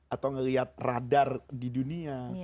atau melihat radar di dunia